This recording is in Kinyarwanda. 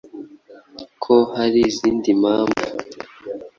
ko hari izindi mpamvu